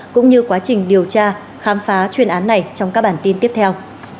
cũng như quá trình điều tra khám phá chuyên án này trong các bản tin tiếp theo